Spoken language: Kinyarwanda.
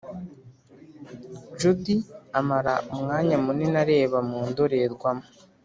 judy amara umwanya munini areba mu ndorerwamo.